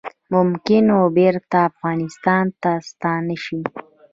ممکن بیرته افغانستان ته ستانه شي